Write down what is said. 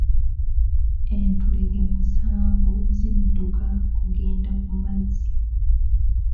Entulege musaanvu zidduka kugenda ku mazzi.